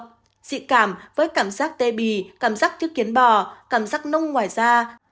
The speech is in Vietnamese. dị cảm với cảm giác tê bì cảm giác chứ kiến bò cảm giác nông ngoài da